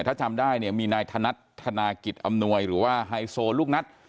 ถ้าจำได้เนี่ยมีนายธนัดธนากิจอำนวยหรือว่าไฮโซลูกนัท